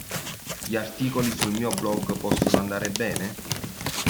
Gli articoli sul mio blog possono andare bene?